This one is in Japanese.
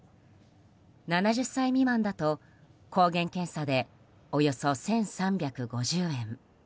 ７０歳未満だと抗原検査でおよそ１３５０円